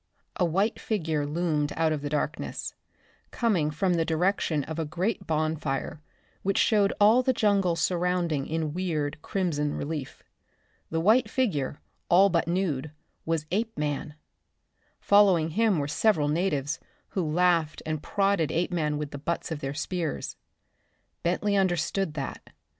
A white figure loomed out of the darkness, coming from the direction of a great bonfire which showed all the jungle surrounding in weird, crimson relief. The white figure, all but nude, was Apeman! Following him were several natives, who laughed and prodded Apeman with the butts of their spears. Bentley understood that.